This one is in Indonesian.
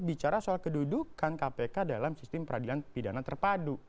bicara soal kedudukan kpk dalam sistem peradilan pidana terpadu